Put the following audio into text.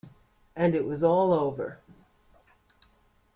And it was all over.